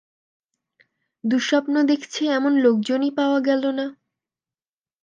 দুঃস্বপ্ন দেখছে এমন লোকজনই পাওয়া গেল না।